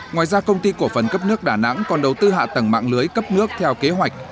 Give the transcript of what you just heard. ngoài ra công ty cổ phần cấp nước đà nẵng còn đầu tư hạ tầng mạng lưới cấp nước theo kế hoạch